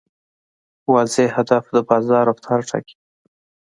واضح هدف د بازار رفتار ټاکي.